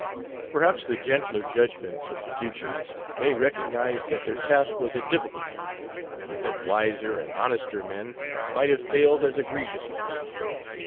Perhaps the gentler judgments of the future may recognize that their task was a difficult one, and that wiser and honester men might have failed as egregiously.